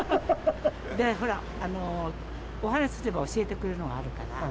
ほら、お話しすれば教えてくれるのがあるから。